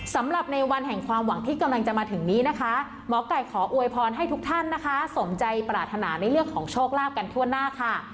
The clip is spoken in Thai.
สำหรับในวันแห่งความหวังที่กำลังจะมาถึงนี้นะคะหมอไก่ขออวยพรให้ทุกท่านนะคะสมใจปรารถนาในเรื่องของโชคลาภกันทั่วหน้าค่ะ